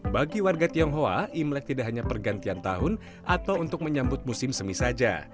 bagi warga tionghoa imlek tidak hanya pergantian tahun atau untuk menyambut musim semi saja